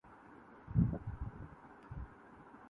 کیا کے الوا وو شو کے دیگر رولز کے لیے بھی گانے گیا کرتی پتلی